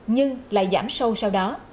nhưng lại giảm sâu sau đó